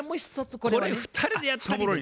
これ２人でやったらおもろい。